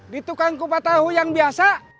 di tukang kupat tahu yang biasa